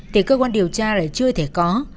thì cơ quan điều tra lại chưa thể có